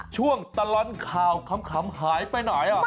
ช่วงตลอดข่าวขำหายไปไหน